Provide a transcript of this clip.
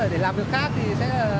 để làm việc khác thì sẽ hợp lý hơn